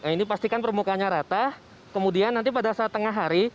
ini pastikan permukaannya rata kemudian nanti pada saat tengah hari